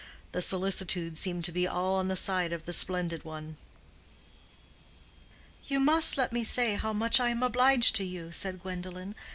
The solicitude seemed to be all on the side of the splendid one. "You must let me say how much I am obliged to you," said Gwendolen.